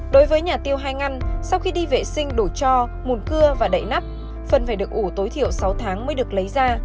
đối với nhà tiêu hai ngăn sau khi đi vệ sinh đổ cho mùn cưa và đậy nắp phần phải được ủ tối thiểu sáu tháng mới được lấy ra